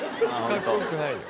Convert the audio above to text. かっこよくないよ。